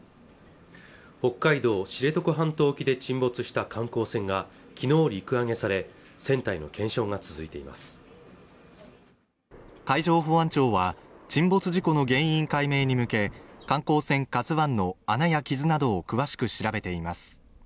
北海道知床半島沖で沈没した観光船がきのう陸揚げされ船体の検証が続いています海上保安庁は沈没事故の原因解明に向け観光船「ＫＡＺＵ１」の穴や傷などを詳しく調べています